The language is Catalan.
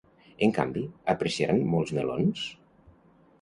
En canvi, apreciaran molts melons?